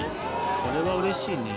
これはうれしいね。